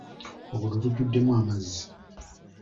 Oluguudo lujjuddemu amazzi.